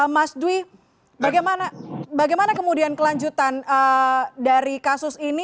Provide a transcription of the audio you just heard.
mas dwi bagaimana kemudian kelanjutan dari kasus ini